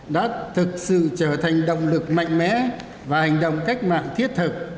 đã thực sự trở thành động lực mạnh mẽ và hành động cách mạng thiết thực